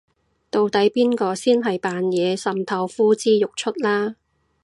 到底邊個先係扮嘢滲透呼之欲出啦